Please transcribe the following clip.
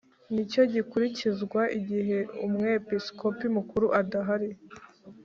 nicyo gikurikizwa Igihe Umwepisikopi Mukuru adahari